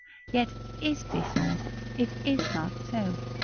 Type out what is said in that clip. Yet is this all ? It is not so.